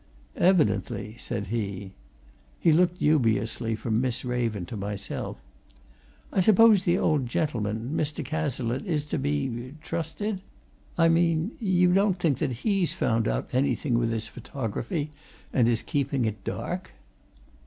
"Evidently," said he. He looked dubiously from Miss Raven to myself. "I suppose the old gentleman Mr. Cazalette is to be trusted? I mean you don't think that he's found out anything with his photography, and is keeping it dark?"